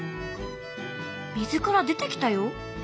水から出てきたよ。